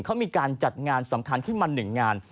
เขามีการจัดงานสำคัญขึ้นมา๑งาน